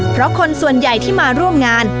เพราะคนส่วนใหญ่ที่มาร่วมงาน